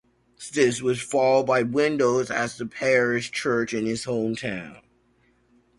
This was followed by windows at the parish church in his hometown.